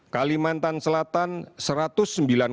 kalimantan selatan satu ratus lima puluh delapan